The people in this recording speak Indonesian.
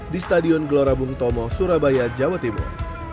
di stadion glorabung tomo surabaya jawa timur